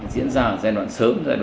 diễn ra ở giai đoạn sớm